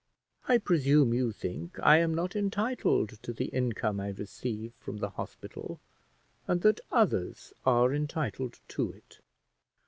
I presume you think I am not entitled to the income I receive from the hospital, and that others are entitled to it.